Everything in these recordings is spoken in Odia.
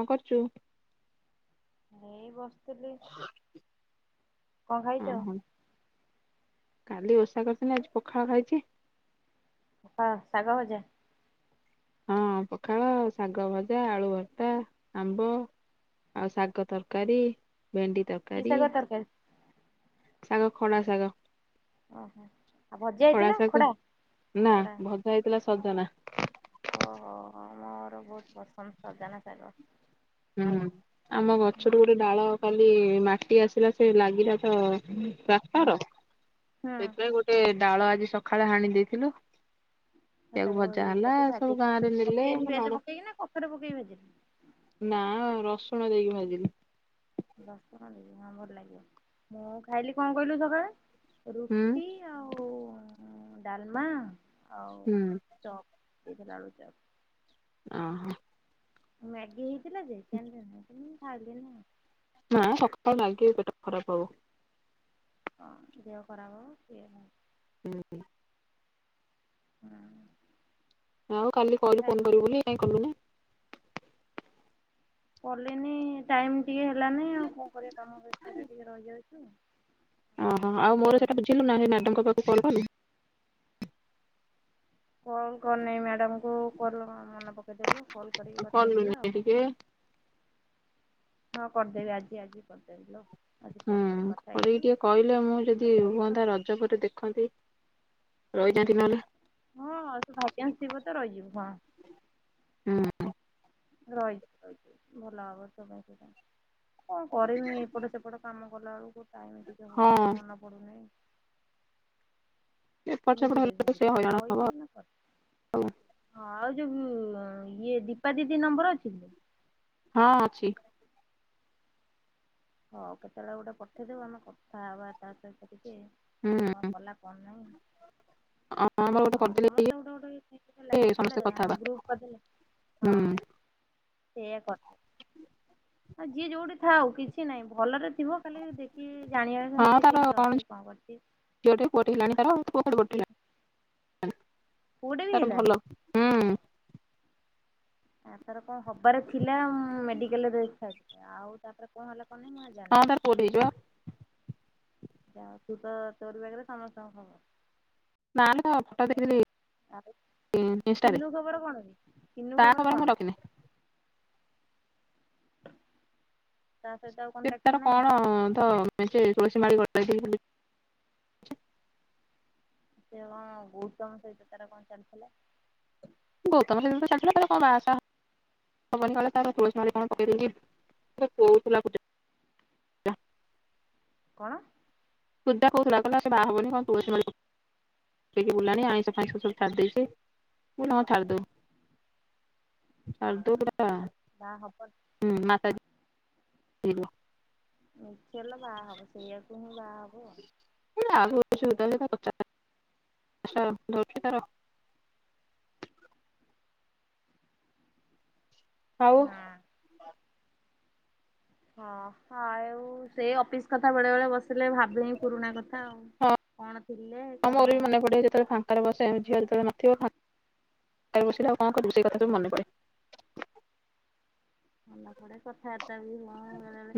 କଣ କରୁଛୁ? ଏଇ ବସିଥିଲି କଣ ହଁ ଖାଇଛ? ହଁ କାଲି ଓଷା କରିଥିଲେ ଆଜି ପଖାଳ ଖାଇଛି। ହଁ ଶାଗ ଭଜା ହଁ ପଖାଳ ଶାଗ ଭଜା ଆଳୁ ଭତା ଆମ୍ବ ଆଉ ଶାଗ ତରକାରୀ ଭେଣ୍ଡି ତର କି ସାଗ ତରକାରୀ ଆଉ ଖଡା ଶାଗ ଓହୋ ଆଉ ଭଜା ଖଡା ହେଇଥିଲା ଶାଗ ନା ଖଡା ଭଜା ହେଇଥିଲା ସଜନା ଓହୋ ହୋ ମୋର ବହୁତ ପସନ୍ଦ ସଜନା ଶାଗ ହୁଁ ଆମ ଗଛରୁୁ ଗୋଟେ ଡାଳ ଖାଲି ମାଟି ଆସିଲା ସେ ଲାଗିଲା ତ ଟ୍ରାକ୍ଟର ମୁଁ ସେଥିପାଇଁ ଗୋ ସେ ଡାଳ ଆଜି ସକାଳେ ହାଣି ଦେଇଥିଲୁ। ସେଇଆକୁ ତାକୁ ଭଜା ଇଏ ହେଲା କରିକି ସବୁ ଗାଁ ରେ ନେଲେ ମୋ ନଣ ପଥର ପକେଇବେନି ନା ରସୁଣ ଦେଇକି ଭାଜିଲି। ଦଶ ଟଙ୍କା ଦେବି ହଁ ଭଲ ଲାଗିବ ମୁଁ ଖାଇଲି କଣ କହିଲୁ ସକାଳେ ହୁଁ ରୁଟି ଆଉ ଡାଲମା ଆଉ ହୁଁ ଚପ୍ ଏଥିଲା ଆଳୁ ଚପ୍। ଓ ହୋ ମ୍ୟାଗି ହେଇଥିଲା ଯେ କିନ୍ତୁ ମୁଁ ଖାଇଲିନି। ନା ସଖାଳୁ ମ୍ୟାଗି ପେଟ ଖରାପ ହବ। ହଁ ଦେହ ଖରାପ ହବ ଏନ ହୁଁ ହୁ ଆଉ କାଲି କହିଲୁ ଫୋନ କରିବୁ ଖାଇଲିନି ବୋଲି କାଇଁ କଲୁନି। କଲିନି ଟାଇମ୍ ଟିକେ ହେଲାନି ଆଉ କଣ କରିବି କାମ ବ୍ୟସ୍ତରେ ଟିକେ ରହିଯାଉଛି। ଓହୋ ଆଉ ମୋର ସେଟା ବୁଝିଲୁ ନାଁ ସେ ମ୍ୟାଡାମଙ୍କ ପାଖକୁ କଲ କଲୁ? କଲ୍ କରିନେଇ ମ୍ୟାଡ଼ାମ କୁ କଲ୍ ମନେ ପକେଇଦେଲୁ କଲ୍ କରିକି ଆଉ କଥା ହେଇଯିବା ଆଉ କଲୁନି ଟିକେ ହଁ କରିଦେବି ଆଜି ଆଜି କରିଦେବି ଲୋ ଆଜି ହୁଁ କଲ୍ କଥା କରିକି ହେଇଯିବି ଟିକେ କହିଲେ ମୁଁ ଯଦି କଥା ହେଇ ହୁହନ୍ତା ର ରଜ ପରେ ଦେଖନ୍ତି ରହିଯାନ୍ତି ନହେଲେ। ହଁ ତୁ ଭାଗ୍ୟାନ୍ସ ଥିବ ତ ରହିଯିବୁ ହଁ ହୁ ରହିଯିବୁ ରହିଯିବୁ ଭଲ ହବ ତୋ ପାଇଁ ସେଇଟା। କଣ କରିମି ଏପଟ ସେପଟ କାମ କଲା ବେଳକୁ ଟାଇମ ଟିକେ ହଁ ହଉନି ମନ ପଡୁନି। ଏପଟ ସେପଟ ବୁଝିଦେବି ହେଲେ ତ ସେ ବୁଝିଦେବି ହଇରାଣ ହବ କହିଛି ମାନେ ଆଉ। କରିବି ହଁ ଆଉ ଯୋଉ ଇଏ ଦୀପା ଦିଦି ନମ୍ବର ଅଛି କି ହଁ ଅଛି ହଉ କେତେବେଳେ ଗୋଟେ ପଠେଇଦେବୁ ଆମେ କଥା ହେବା ତା ସହିତ ଟିକେ। ସେ କଣ ହୁଁ କଲା କଣ ନାହିଁ। ଆମର ଗୋଟେ ହଁ କରିଦେଲେ ସମସ୍ତେ ଗୋଟେ ଗୋଟେ ଇଏ ଲାଗିକି ଗଲେ ସମସ୍ତେ କଥା ହବା ଗ୍ରୁପ କରିଦେଲେ ହୁଁ। ହଁ ସେଇଆ କଥା ହ ଯିଏ ଯୋଉଠି ଥାଉ କିଛି ନାହିଁ ଭଲରେ ଥିବ ଖାଲି ଦେଖ କି ଜାଣିଜାଉ ନାହାନ୍ତି ସେ କେମିତି ଅଛି କଣ କରୁଛି ଝିଅ ଟେ ପୁଅଟେ ହେଲାଣି ତାର ପୁଅ ଖାଲି ଗୋଟେ ନା ପୁଅଟେ ବି ତାର ହେଲାଣି ଭଲ ହୁ ନା ତାର କଣ ହବାର ଥିଲା ହଁ ମେଡିକାଲରେ ରହିଥିଲା ସିଏ ଆଉ ତାପରେ କଣ ହେଲା କଣ ନାହିଁ ମୁଁ ଆଉ ହଁ ଜାଣିନି। ତାର ପୁଅଟେ ହେଇଚି ପା ଯା ହୋଉ ତୁ ତ ତୋରି ପାଖରେ ସମସ୍ତ ଙ୍କ ଖବର ନା ଲୋ ଅଟ ଦେଇଦେଲି ଆଉ ତିନୁ ଖବର କଣ ବେ ତିନୁ ତା ଖବର ମୁଁ କଣ? ରଖିନି ତା ସହିତ ଆଉ ସେ କଣ୍ଟାକ୍ଟ ତାର ନାହିଁ? କଣ ତ ମେଞ୍ଚେ ତୁଳସୀ ମାଳି ଗଳାଇଛି ବୁଲି ସେ କଣ ଗୌତମ ସହିତ ତାରା କଣ ଚାଲିଥିଲା। ଗୌତମ ସହିତ ତ ଚାଲିଥିଲା ତାର କଣ ବାହା ସାହା ହବନି କାଳେ ତାର ତୁଳସୀ ମାଳ କଣ ପକଦେଇଚି ମୋତେ କହୁଥିଲା ସୁଦ୍ଧା କଣ? ସୁଦ୍ଧା କହୁଥିଲା କହିଲା ସେ ବାହା ହବନି କଣ ତୁଳସୀ ମାଳି ପ ପକେଇକି ବୁଲିଲାଣି ଆଇଁଷ ଫାଇ‌ଶ ସବୁ ଛାଡ଼ିଦେଇଚି ମୁଁ କହିଲି ହଁ ଛାଡିଦଉ। ସର୍ ଦ ଟା [unintelligible] ନାଁ ହବନି ହୁଁ ମାତାଜି [unintelligible] ହେଲେ ବାହା ହବ, ସେଇଆକୁ ହିଁ ବାହା ହବ [unintelligible] [inaudible] ହଁ ହଁ, ଆ ସେ ଅପିସ୍‌ କଥା ବେଳେ ବେଳେ ବସିଲେ ଭା ଏଇ ପୁରୁଣା କଥା, ଆଉ ହଁ କ'ଣ ଥିଲେ କ'ଣ। [unintelligible] [unintelligible]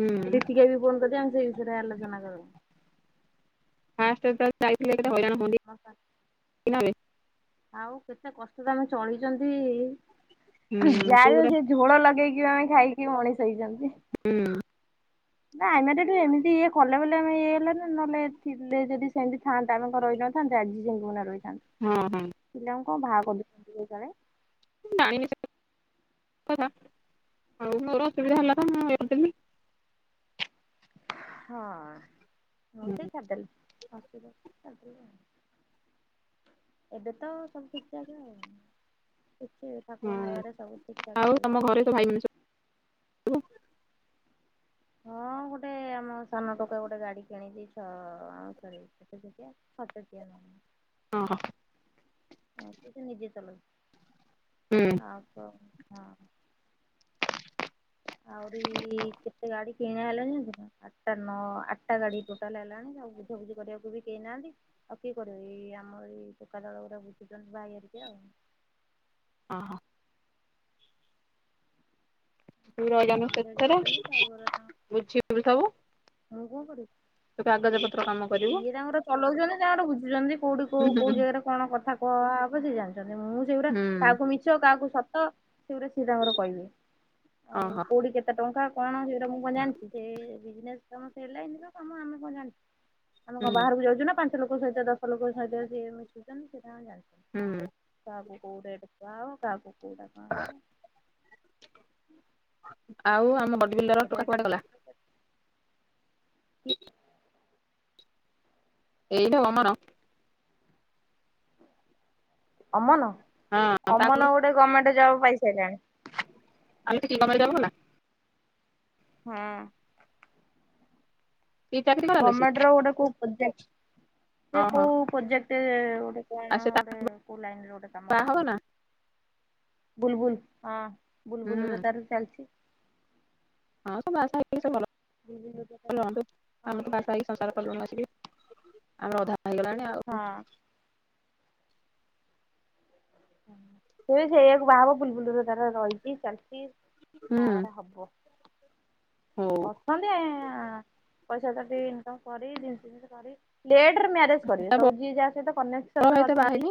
ହୁଁ ବି ଫୋନ୍ କର୍ ଦିଏ, ଆମେ ସେଇ ବିଷୟରେ ଆଲୋଚନା କରୁ। [unintelligible] ହଁ ପା। [unintelligible] ଆଉ କେତେ କଷ୍ଟରେ ଆମେ ଚଳିଚନ୍ତି। ହୁଁ ସେଇ ଯାଆବି ହଉ ଗୋଟେ ସେ ଝୋଳ ଲଗେଇକି ବି ଖାଇକି ଆମେ ମଣିଷ ହେଇଚନ୍ତି। [unintelligible] ନା ଏମିତି ଇଏ କଲେ ବୋଲି ଆମେ ଇଏ ହେଲେ ନା, ନହେଲେ ଥିଲେ ଯଦି ସେନ୍ତି ଥାଆନ୍ତା। ଆମେ ଙ୍କ ରହି [inaudible] [unintelligible] [inaudible] [unintelligible] [inaudible] ଏବେ ତ ସବୁ ଠିକ୍ ଠାକ୍ ଆଉ। ଠାକୁରଙ୍କ ହୁଁ ଦୟାରେ ସବୁ ଠିକ୍ ଠାକ୍ ଚାଲ୍ଚି। [unintelligible] ସବୁ ହଁ, ଗୁଟେ। ଆମ ସାନ ଟୋକା ଗୋଟେ ଗାଡ଼ି କିଣିଚି। ଛଅ ସରି କେତେ ଚକିଆ? ଛଅ ଚକିଆ [inaudible] [inaudible] ଏବେ ସେ ନିଜେ ଚଲଉ ହୁଁ। [unintelligible] ଆଉରି କେତେ ଗାଡ଼ି କିଣା ହେଲାଣି ଜାଣି--ନା, ଆଟ୍ ଟା ନଅ ଆଟ୍ ଟା ଗାଡ଼ି ଟୋଟାଲେ ହେଲାଣି, ଆଉ ବୁଝାବୁଝି କରିବାକୁ ବି କେହି ନାଆନ୍ତି। ଆଉ କିଏ କରିବ, ଏଇ ଆମ ଏଇ ଟୋକା ଦଳ ଗୁ ବୁଝୁଚନ୍ତି ଭାଇ ହେରିକା ଆଉ। [inaudible] ବୁଝାବୁଝି କରୁଛନ୍ତି ଡ୍ରାଇଭର ତାଙ୍କ [unintelligible] ମୁଁ ଙ୍କ କରିବି? ତୁ କାଗଜ ପତ୍ର କାମ। କରିବୁ। ସିଏ ତାଙ୍କର ଚଲଉଚନ୍ତି, ତାଙ୍କର ବୁଝୁଚନ୍ତି। କଉଠି ହୁଁ କଉ ହୁଁ କଉ ଜାଗାର କ'ଣ କଥା କୁ ହବ, ସିଏ ଜାଣିଚନ୍ତି। ମୁଁ ସେଇ ଗୁରା ହୁଁ କାହାକୁ ମିଛ ମିଛ କାହାକୁ ସତ, ସେଗୁରା ସିଏ ତା'ଙ୍କର କହିବେ। [unintelligible] କଉଠି କେତେ ଟଙ୍କା କ'ଣ ସେଇ ମୁଁ କ'ଣ ଜାଣ୍ଚି, ସେ ବିଜନେସ୍‌ କାମ ସେ ଲାଇନ୍‌ର। [inaudible] ଆମେ ଙ୍କ ହୁଁ। ବାହାରକୁ ଯାଉଚୁ ନା, ପାଞ୍ଚ ଲୋକ ସହିତ ଦଶ ଲୋକ ସହିତ ସିଏ ମିଶୁ---ନ୍ତି। ସିଏ ତାଙ୍କର ଜାଣି ହୁଁ। କାହାକୁ କଉ ରେଟ୍ କୁହା ହବ। କାହାକୁ କଉଟା କ ରେଟ୍ [unintelligible] [unintelligible] ଅମନ, ତା ଖବର ଅମନ ଗୋଟେ ଗମେଣ୍ଟେ ଜବ୍ ପାଇ ସାଇଲାଣି। [unintelligible] ହଁ। କି ଚାକିରି କଲାଲୋ ସେ ଗମେଣ୍ଟ୍ ର ଗୋଟେ କୋଉ ପ୍ରୋଜେକ୍ଟ ସେ ଓହୋ କୋଉ ପ୍ରୋଜେକ୍ଟ ଗୋଟେ। ଆଉ ସେ ତା ବାହା ହବ ନା ବୁଲ୍ ବୁଲ୍। ବୁଲ୍ ବୁଲ୍ ହୁଁ ରେ ତାର ଚାଲିଛି। ହଁ ସେ ବାହା ସାହା ହେଇକି ସବୁ ଭଲ ବୁଲବୁଲ ର ହଁ ଭଲ ମନ୍ଦ ଆମେ ତ ହଁ ବାହା ସାହା ହେଇକି ସଂସାର କଲୁଣି ଆସିକି ଆମର ଅଧା ହେଇଗଲାଣି। ହଁ। ସେ ସେଇଆକୁ ବାହାହବ ବୁଲ୍ ବୁଲ୍ ର ତାର ରହିଛି ଚାଲିଛି ହୁଁ ବାହାଘର ହବ। ହଉ। ଅଛନ୍ତି ଏଇ ଆ ପଇସା ପତର ଟିକେ ଇନକମ୍ କରି ଜିନିଷ ପିନିଷ କରି ଲେଟ୍ ରେ ମ୍ୟାରେଜ୍ କରିବେ ତା ସବୁ ଯିଏ ଯାହା ସହିତ ବଡ କନେକ୍ସନ୍ ଭାଇ ରେ ତ ବାହା ଅଛନ୍ତି ହେଇନି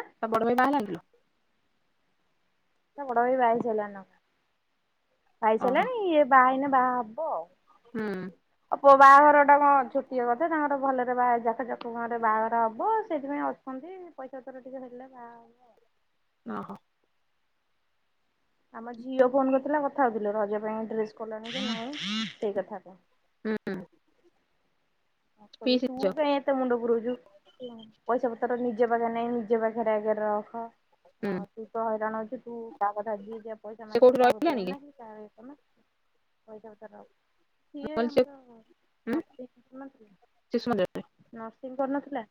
ଆଁ ତା ବଡ଼ ଭାଇ ବାହାହେଲାନି ଲୋ? ତା ବଡ ଭାଇ ବହାହେଇ ସାରିଲାଣି ନା କଣ ବାହା ହେଇ ଓହୋ ସାରିଲାଣି ଇଏ ବାହା ହେଇନି ବାହା ହବ ଆଉ। ହୁଁ। ଆ ପୁଅ ବାହାଘର ଟା କଣ ଛୋଟିଆ କଥା ତାଙ୍କର ଭଲରେ ବାହା ଯାକ ଜକ କୁମରେ ବାହାଘର ହବ ସେଥିପାଇଁ ଅଛନ୍ତି ପଇସା ପତ୍ର ଟିକେ ହେଲେ ବାହାହବ। ଅ ହ। ଆମ ଝିଅ ଫୋନ୍ କରିଥିଲା କଥା ହୋଉଥିଲୁ ରଜ ପାଇଁ ଡ୍ରେସ୍ କଲଣି କି ନାଇଁ ସେଇ କଥା ଟା। ଉଁ ଉଁ। ନ କଲେ ପିଇସି ତୁ ଝିଅ ପେଏଁ। ଏତେ ମୁଣ୍ଡ ପୁରୋଉଛୁ ପଇସା ପତ୍ର ନିଜ ପାଖରେ ନାଇଁ ନିଜ ପାଖରେ ଆଗରେ ରଖ। ହୁଁ ଆଉ ତୁ ତ ହଇରାଣ ହୋଉଛୁ ତୁ କାହା କଥା ଯିଏ ଯା ପଇସା ସେ ମାଗିବ କୋଉଠି କାହାକୁ ରହିଲାଣି କି ଦେନା। ମୁଁ ତାର ହେଇଥାନ୍ତା ପଇସା ପତର ସିଏ କହିଲି ସେ ଆମର ନ ଉଁ ଥିବା ଶିଶୁ ମନ୍ଦିର ରେ। ନର୍ସିଂ କରୁନଥିଲା।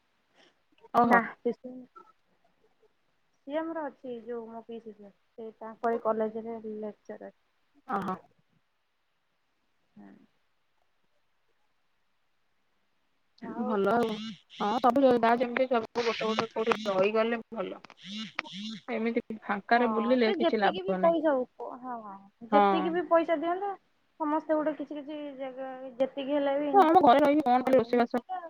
ଓହୋ ସିଏ ଆମର ଅଛି ଯୋଉ ମୋ ପିଶି ପୁଅ ସେ ତାଙ୍କରି କଲେଜ୍ ରେ ଲେକ୍ଚର୍ ଅଛି। ଅ ହ। ହୁଁ। ଭଲ ଆଉ ହଁ ସବୁ ଯୋ ବାହା ଯେମିତି ସବୁ ଗୋଟେ ଗୋଟେ କୋଉଠି ରହିଗଲେ ଭଲ। [inaudible] ଏମିତି। ହଁ ଫାଙ୍କାରେ ବୁଲିଲେ ସେ କିଛି ଯେତିକି ବି ଲାଭ ନାହିଁ ପଇସା ହୋଉ ହଁ ଯେତିକି ବି ହଁ ପଇସା ଦିଅନ୍ତୁ ସମସ୍ତେ ଗୋଟେ କିଛି କିଛି ଜାଗା ଯେ ଯେତିକି ହେଲେ ବି ଇନ୍ ଆମ କମ୍ ଘରେ କରି ରହିକି କି କଣ ଖାଲି ପଳେଇଲି ରୋଷେଇବାସ ନିଜେ ତ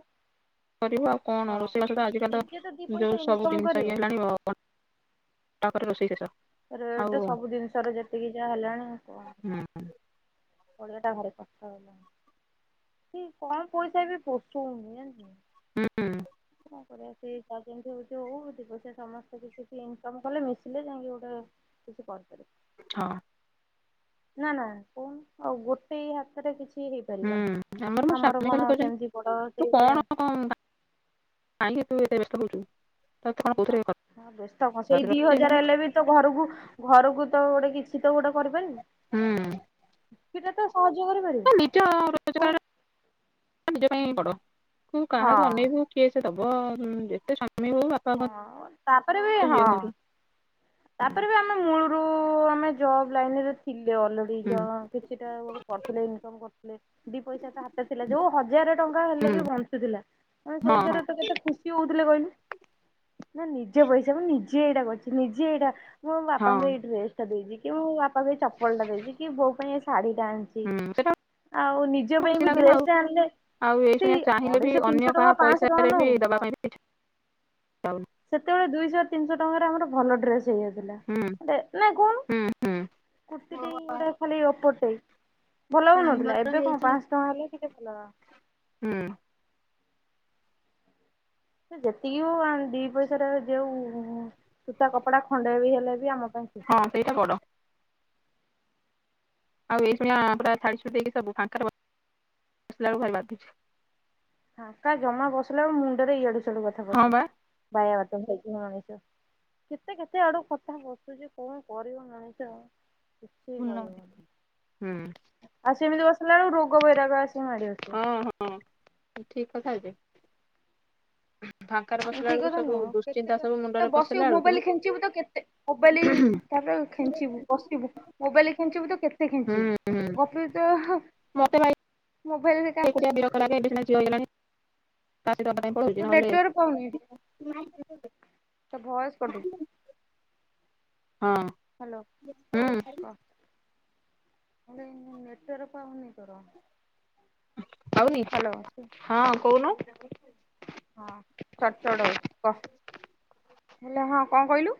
କରିବୁ ଆଉ କଣ ରୋଷେଇ ବାସ ଆଜିକାଲି ନିଜେ ଦି ତ ପଇସା ଯୋଉ ସବୁ ଇନକମ ଜିନିଷ କରିବ ଇଏ ହେଲାଣିି କଣ? ତାପରେ ରୋଷେଇ ଶେଷ। ଆଉ ରେଟ୍ ହୁଁ ସବୁ ଜିନିଷ ରେ ଯେତିକି ଯାହା ହେଲାଣି କହନା। କି କମ୍ ପଇସା ବି ପଶୋଉନି ଜାନିଛୁ ନା। ହୁଁ ହୁଁ। କଣ କରିବା ସେ ଯାହା ଯେମିତି ହୋଉଛି ହୋଉ ଦି ପଇସା ସମସ୍ତେ ମିଶିକି ଇନ୍ କମ୍ କଲେ ମିଶିଲେ ଯାଇଁକି ଗୋଟେ କିଛି କହି ପାରିବୁନି। ହଁ। ନା ନା କହୁନୁ ଆଉ ଗୋଟେ ହାତରେ କିଛି କିଛି ବି ହେଇପାରିବନି ହୁଁ ମୋ ଆମର ସ୍ୱାମୀ ଖାଲି କଣ କହୁଛନ୍ତି ସେମିତି ବଡ ତୁ ହେଇଥିଲେ କଣ ଟା। କାହିଁକି ତୁ ଏତେ ବ୍ୟସ୍ତ ହୋଉଛୁ? ଖରାପ ସେଇ ଦି ରଖିଛି ଇଏ ହଜାରେ କଲା ହେଲେ ବି ତ ଘରକୁ ଘରକୁ ତ ଗୋଟେ କିଛି ତ ଗୋଟେ କରିପାରିବି? ହୁଁ। କିଛି ଟା ତ ସହଜ କରିପାରିବେ। ନିଜ ରୋଜଗାର ନିଜ ପାଇଁ ବଡ ତୁ ହଁ କାହାକୁ ଅନେଇବୁ। କିଏ ସେ ଦବ ଉ ଯେତେ ସ୍ୱାମୀ ହଉ ବାପା ହଁ ତାପରେ ବି ହୁଅନ୍ତୁ ହଁ ଯିଏ ହୁଅନ୍ତୁ। ତାପରେ ହୁଁ ବି ଆମ୍ ମେ ମୁଳୂରୁ ଆମେ ଜବ୍ ଲାଇନରେ ଥିଲେ ଅଲରେଡି ଜ କିଛିଟା ଗୋଟେ କରୁଥିଲେ ଇନକମ୍ କରୁଥିଲେ ଦି ପଇସାଟା ହାତରେ ଥିଲା ଯୋଉ ହଜାର ଟଙ୍କା ହେଲେ ହୁଁ ବି ବଞ୍ଚୁଥିଲା। ଆମେ ହଁ ହଁ ସେଇଥେରେ ତ କେତେ ଖୁସି ହଉଥିଲେ କଇଲୁ ମୋ ନିଜ ପଇସା ମୁଁ ନିଜେ ଏଇଟା କରଚି ନିଜେ ଏଇଟା ମୋ ବାପାଙ୍କୁ ହଁ ଏଇ ଡ୍ରେସ୍ ଟା ଦେଇଚି କି ମୋ ବାପାକୁ ଏଇ ଚପଲଟା ଦେଇଚିକି ବୋଉ ପାଇଁ ଏ ଶାଢୀଟା ଆଣି ହୁଁ ସେଇଟା ଆଉ ନିଜ ପାଇଁ ବି ଡ୍ରେସଟେ ଆଣିଲେ ଆଉ ସେଇ ଏଇସୁଣିଆ ଚାହିଁଲେ ବି ଅଢେଇଶହ ଅନ୍ୟ ତିନିଶହ ଟଙ୍କା କାହା ପାଞ୍ଚଶହ ଟଙ୍କା ପଇସାରେ ବି ନଉ ଦବା ହଁ ପାଇଁ ବି ଚାଉନି ସେତେବେଳେ ଦୁଇଶ ତିନିଶ ଟଙ୍କାରେ ଆମର ଭଲ ଡ୍ରେସ ହେଇଯାଉଥିଲା ହୁଁ ବେ ନାଇ କଉନୁ ହୁଁ ହୁଁ। କୁର୍ତ୍ତିଟେଇ ଗୋଟେ ଖାଲି ଓପରଟେ ଭଲ ହଉନଥିଲା ଆମର ଏବେ କଣ ହେଇଛି ପାଂସ ଟଙ୍କା ହେଲେ ଟିକେ ଭଲ ହୁଁ ସେ ଯେତିକି ହଉ ଆ ଦି ପଇସାରେ ଯେଉ ସୂତା କପଡା ଖଣ୍ଡେ ବି ହେଲେ ବି ଆମ ପାଇଁ ଖୁସି। ହଁ ସେଇଟା ବଡ ଆଉ ଏଇସୁଣିଆ ପୁରା ଛାଡି ଛୁଡିି ଦେଇକି ସବୁ ଫାଙ୍କରେ ବ ସିଲା ବେଳୁକୁ ଭାରି ବାଧୁଚି ଫାଙ୍କା ଜମା ବସିଲା ବେଳୁ ମୁଣ୍ଡେରେ ଇଆଡୁ ସିଆଡୁ କଥା ହଁ ପଶୁଚି ବା। ବାୟାବାତୁଳା ହେଇଯିବ ମଣିଷ କେତେ କେତେ ଆଡୁ କଥା ପଶୁଚି କଣ କରିବ ମଣିଷ କିଛି କହି ପୂର୍ଣ୍ଣମତି ହୁଁ ହଉନି ଆଉ ସେମିତି ବସିଲା ବେଳୁ ରୋଗ ବୈରାଗ ଆସ୍ ହଁ ହଁ ଠିକ୍ କଥା ଯେ ଫାଙ୍କାରେ ଏ ବସିଲା ଠିକ୍ ବେଳକୁ କଥା ସବୁ ନୁହଁ କେତେ ଦୁଶ୍ଚିନ୍ତା କେ ସବୁ ଏ ମୁଣ୍ଡରେ ବସିବୁ ପଶିଲା ବେଳକୁ ମୋବାଇଲ୍ ଖେଞ୍ଚିବୁ ତ କେତେ ମୋବାଇଲି ତାଦେଅରୁ ହୁଁ ଖେଞ୍ଚିବୁ ବସିବୁ ମୋବାଇଲି ଖେଞ୍ଚିବୁ ତ କେ ତେ ହୁଁ ଖେଞ୍ଚିବୁ ଗପୁରୁ ତ ହ ମତେ ଭାଇ ମୋବାଇଲରେ କାହା ସହିତ ତୋ ନେଟୱାର୍କ ପାଉନି ରେ [unintelligible] ନହେଲେ ତୋ ଭଏସ କଟୁଛି ହଁ ହାଲୋ ହଁ ହୁଁ କ ଭଲକିନି ନେଟୱର ପାଉନି ତୋର ପାଉନି ହ୍ୟାଲୋ। ହଁ କଉନୁ ହଁ ଚଡ୍ ଚଡ୍ ହଉଚି କ ହାଲୋ ହଁ କଣ କଇଲୁ